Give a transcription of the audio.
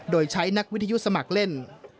โดยใช้นักวิทยุสมัครเล่น